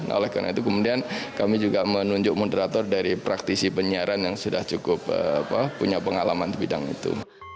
oleh karena itu kemudian kami juga menunjuk moderator dari praktisi penyiaran yang sudah cukup punya pengalaman di bidang itu